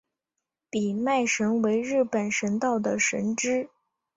比卖神为日本神道的神只。